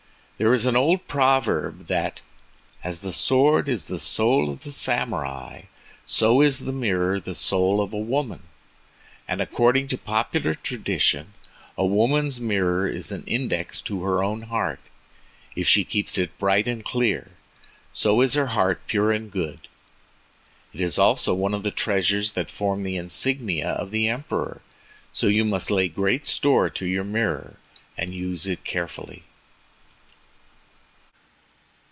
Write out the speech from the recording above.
There is an old proverb that 'As the sword is the soul of a samurai, so is the mirror the soul of a woman,' and according to popular tradition, a woman's mirror is an index to her own heart—if she keeps it bright and clear, so is her heart pure and good. It is also one of the treasures that form the insignia of the Emperor. So you must lay great store by your mirror, and use it carefully."